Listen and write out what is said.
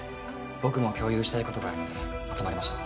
僕も共有したいことがあるので集まりましょう。